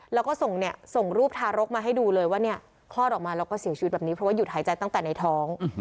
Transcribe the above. แล้วก็ส่งรูปทารกมาให้ดูเลยว่าเนี่ยคลอดออกมาแล้วก็เสียชีวิตแบบนี้เพราะว่าหยุดหายใจตั้งแต่ในท้อง